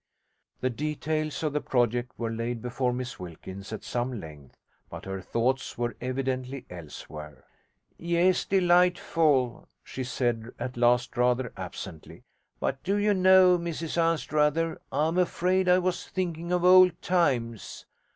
The details of the project were laid before Miss Wilkins at some length; but her thoughts were evidently elsewhere. 'Yes, delightful,' she said at last rather absently. 'But do you know, Mrs Anstruther, I'm afraid I was thinking of old times.